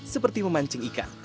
seperti memancing ikan